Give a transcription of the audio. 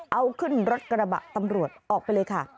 เอาขึ้นกระแบบตำรวจออกไปเลย